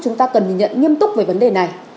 chúng ta cần nhìn nhận nghiêm túc về vấn đề này